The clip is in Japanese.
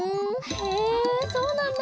へえそうなんだ。